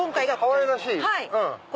かわいらしい！